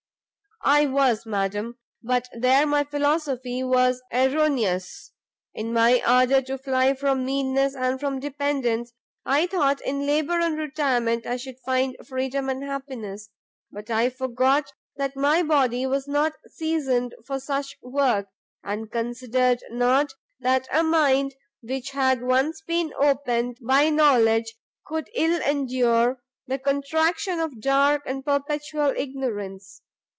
"I was, madam; but there my philosophy was erroneous: in my ardour to fly from meanness and from dependence, I thought in labour and retirement I should find freedom and happiness; but I forgot that my body was not seasoned for such work, and considered not that a mind which had once been opened by knowledge, could ill endure the contraction of dark and perpetual ignorance.